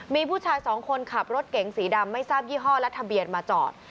มีผู้ชาย๒คนขับรถเก่งสีดำไม่ทราบยี่ห้อรัฐบิญมาจอด